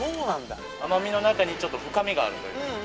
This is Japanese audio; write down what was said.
甘みの中にちょっと深みがあるという。